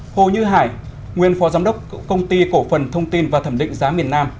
hồ như hải nguyên phó giám đốc công ty cổ phần thông tin và thẩm định giá miền nam